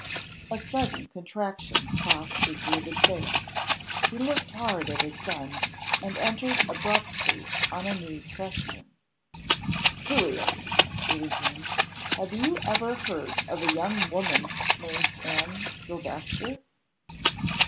A sudden contraction crossed his livid face. He looked hard at his son, and entered abruptly on a new question. "Julius!" he resumed, "have you ever heard of a young woman named Anne Silvester?"